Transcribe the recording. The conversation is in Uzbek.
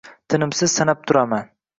— Tinimsiz sanab turaman.